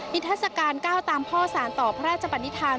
นิทราชการก้าวตามพ่อสารต่อพระราชปรนิษฐาน